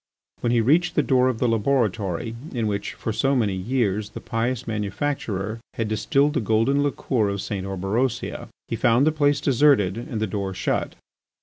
When he reached the door of the laboratory in which, for so many years, the pious manufacturer had distilled the golden liqueur of St. Orberosia, he found the place deserted and the door shut.